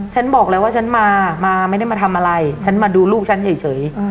บอกเลยว่าฉันมามาไม่ได้มาทำอะไรฉันมาดูลูกฉันเฉย